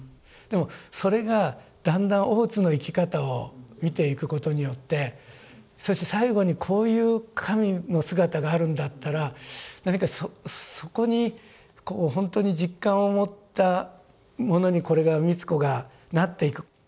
でもそれがだんだん大津の生き方を見ていくことによってそして最後にこういう神の姿があるんだったらそこに本当に実感を持ったものにこれが美津子がなっていく。